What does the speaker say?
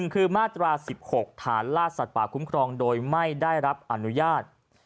คือมาตรา๑๖ฐานล่าสัตว์ป่าคุ้มครองโดยไม่ได้รับอนุญาต